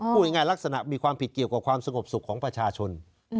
พูดง่ายลักษณะมีความผิดเกี่ยวกับความสงบสุขของประชาชน